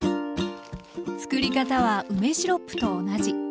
つくり方は梅シロップと同じ。